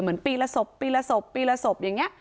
เหมือนปีละศพปีละศพปีละศพอย่างนี้